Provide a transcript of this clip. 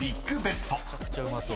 めちゃくちゃうまそう。